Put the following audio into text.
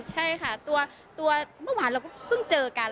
ใช่ค่ะตัวเมื่อวานเราก็เพิ่งเจอกัน